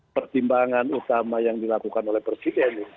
pertimbangan utama yang dilakukan oleh presiden